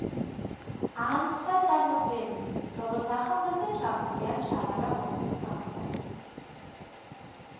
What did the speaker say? ანცვა წარმოდგენილი, როგორც ახალგაზრდა ჭაბუკი ან ჭაღარა მოხუცი მამაკაცი.